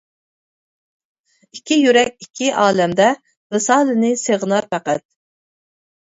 ئىككى يۈرەك ئىككى ئالەمدە، ۋىسالىنى سېغىنار پەقەت.